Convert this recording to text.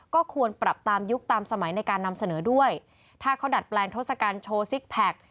ก็ควรปรับตามยุคตามสมัยในการนำเสนอด้วยถ้าเขาดัดแปลงทศกัณฐ์โชว์ซิกแพค